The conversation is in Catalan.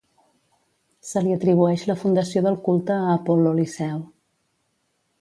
Se li atribueix la fundació del culte a Apol·lo Liceu.